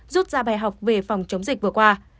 rút ra bài học về phòng chống dịch vừa qua